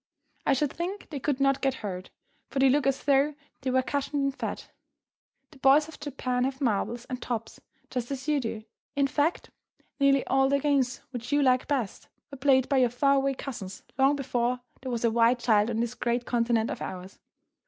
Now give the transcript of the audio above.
I should think they could not get hurt, for they look as though they were cushioned in fat. The boys of Japan have marbles and tops, just as you do; in fact, nearly all the games which you like best were played by your far away cousins long before there was a white child on this great continent of ours.